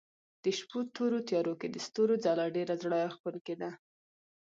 د شپو تورو تيارو کې د ستورو ځلا ډېره زړه راښکونکې ده.